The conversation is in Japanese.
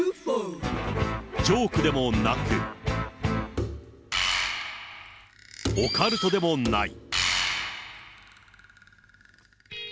ジョークでもなく、オカルトでもない。